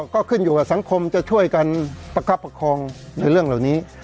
ก็ขึ้นอยู่กับสังคมจะช่วยกันประคับประคองในเรื่องเหล่านี้